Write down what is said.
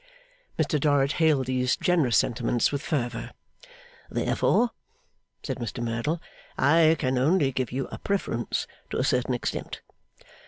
Mr Dorrit hailed these generous sentiments with fervour. 'Therefore,' said Mr Merdle, 'I can only give you a preference to a certain extent.